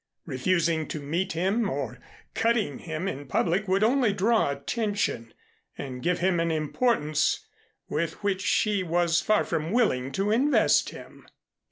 Refusing to meet him or cutting him in public would only draw attention and give him an importance with which she was far from willing to invest him.